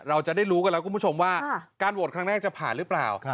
เราจะได้รู้กันแล้วคุณผู้ชมว่าการโหวตครั้งแรกจะผ่านหรือเปล่า